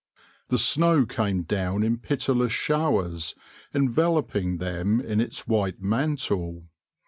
The snow came down in pitiless showers, enveloping them in its white mantle.